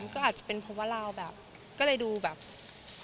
ก็อาจเป็นเราก็เลยดูปกติพอ